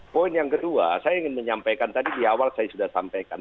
poin yang kedua saya ingin menyampaikan tadi di awal saya sudah sampaikan